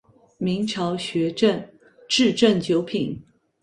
明朝学正秩正九品。